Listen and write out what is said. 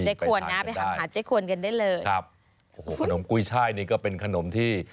ควรนะไปหาเจ๊ควรกันได้เลยครับโอ้โหขนมกุ้ยช่ายนี่ก็เป็นขนมที่